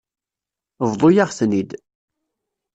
Bḍu-yaɣ-ten-id.